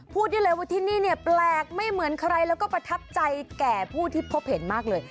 พูดได้เลยว่าที่นี่เนี่ยแปลกไม่เหมือนใครแล้วก็ประทับใจแก่ผู้ที่พบเห็นมากเลย